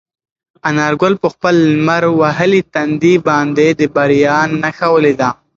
انارګل په خپل لمر وهلي تندي باندې د بریا نښه ولیده.